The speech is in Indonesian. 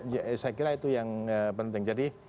saya kira itu yang penting jadi